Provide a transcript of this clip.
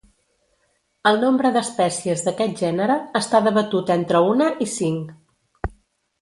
El nombre d'espècies d'aquest gènere està debatut entre una i cinc.